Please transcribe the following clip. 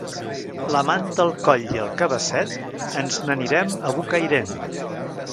La manta al coll i el cabasset, ens n'anirem a Bocairent.